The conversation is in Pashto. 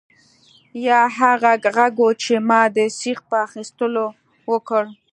یا هغه غږ و چې ما د سیخ په اخیستلو وکړ